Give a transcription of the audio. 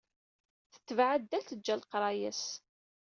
Tetbeɛ addal, teǧǧa leqraya-s.